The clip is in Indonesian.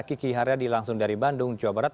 kiki haryadi langsung dari bandung jawa barat